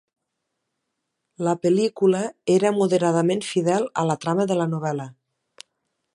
La pel·lícula era moderadament fidel a la trama de la novel·la.